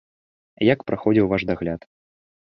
Як праходзіў ваш дагляд?